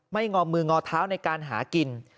งอมืองอเท้าในการหากิน